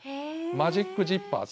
マジックジッパー。